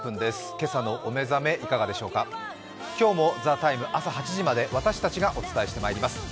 今朝のお目覚めいかがでしょうか今日も「ＴＨＥＴＩＭＥ，」朝８時まで私たちがお伝えしてまいります。